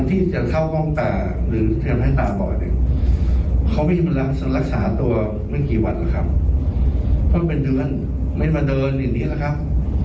ต้องเป็นเดือนไม่มาเดินอย่างนี้แหละครับ